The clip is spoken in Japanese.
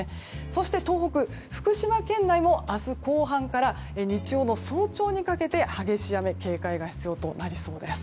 そして東北、福島県内も明日後半から日曜の早朝にかけて激しい雨に警戒が必要となりそうです。